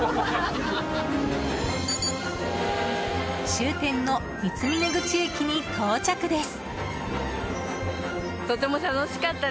終点の三峰口駅に到着です。